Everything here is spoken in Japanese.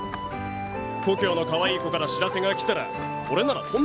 故郷のかわいい子から知らせが来たら俺なら飛んで帰る。